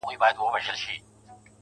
• زه هم خطا وتمه.